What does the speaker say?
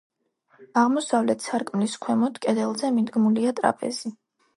აღმოსავლეთ სარკმლის ქვემოთ, კედელზე, მიდგმულია ტრაპეზი.